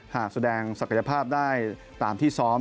หากแสดงศักยภาพได้ตามที่ซ้อม